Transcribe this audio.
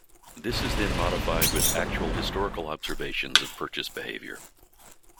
This is then modified with actual historical observations of purchase behavior.